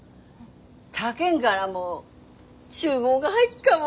他県がらも注文が入っかも。